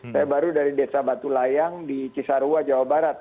saya baru dari desa batu layang di cisarua jawa barat